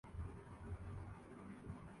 لاہور کی معیشت یکدم اٹھ کھڑی ہو۔